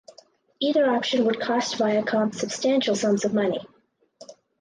Either option would cost Viacom substantial sums of money.